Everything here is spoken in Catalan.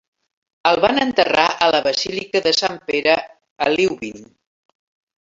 El van enterrar a la basílica de Sant Pere, a Leuven.